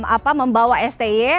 apa membawa sti